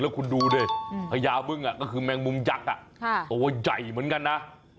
และคุณดูส่วนภัยาบึ่งก็คือแมงมุมยักษ์โต้ใจเหมือนกันนะ